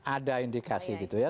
ada indikasi gitu ya